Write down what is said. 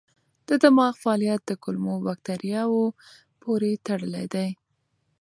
د دماغ فعالیت د کولمو بکتریاوو پورې تړلی دی.